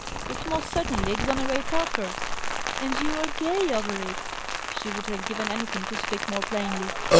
It most certainly exonerates Arthur." "And you are gay over it!" She would have given anything to speak more plainly.